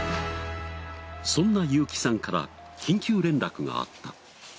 そんなユーキさんから緊急連絡があった。